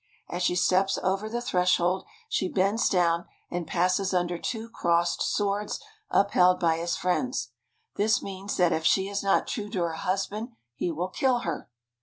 As she steps over the threshold she bends down and passes under two crossed swords upheld by his friends. This means that if she is not true to her husband he will kill her.